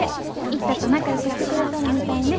一太と仲良くしてくれとるみたいね。